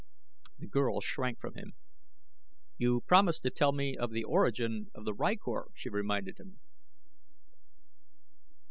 The girl shrank from him. "You promised to tell me the origin of the rykor," she reminded him.